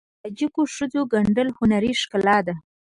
د تاجکو ښځو ګنډل هنري ښکلا ده.